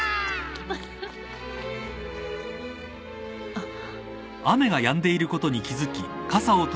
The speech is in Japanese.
あっ？